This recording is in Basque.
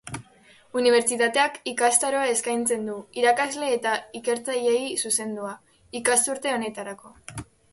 Unibertsitateak ikastaroa eskaintzen du, irakasle eta ikertzaileei zuzendua, ikasturte honetarako.